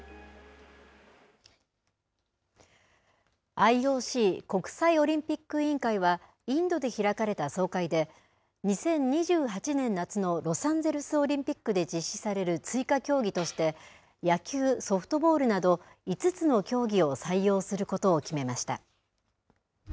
ＩＯＣ・国際オリンピック委員会は、インドで開かれた総会で、２０２８年夏のロサンゼルスオリンピックで実施される追加競技として、野球・ソフトボールなど５つの競技を採用することを決めました。